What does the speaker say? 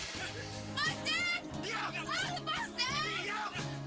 jadi ada orang bisa sampai karaoke nolong